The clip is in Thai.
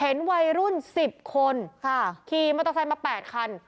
เห็นวัยรุ่นสิบคนค่ะขี่มอเตอร์ไซนมาแปดคัน